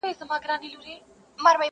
منځ کي پروت یې زما د سپینو ایینو ښار دی,